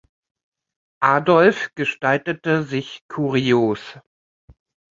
Adolf gestaltete sich kurios.